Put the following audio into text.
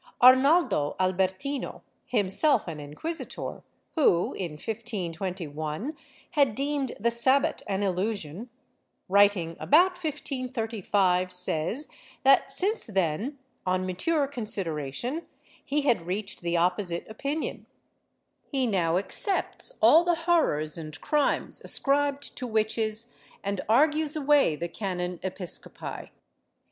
Arnaldo Albertino, himself an inquisitor who, in 1521, had deemed the Sabbat an illusion, writing about 1535, says that since then, on mature consideration, he had reached the opposite opinion; he now accepts all the horrors and crimes ascribed to witches and argues away the can. Episcopi.